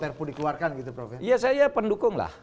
keluarkan gitu prof iya saya pendukung lah